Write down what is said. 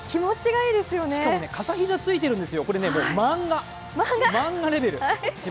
しかも片膝ついているんですよ、これもう漫画レベル。